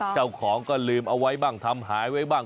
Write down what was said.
เจ้าของก็ลืมเอาไว้บ้างทำหายไว้บ้าง